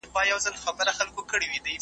هغه غوښتل پخوانيو پوهانو ته تېروتنې ور وښيي.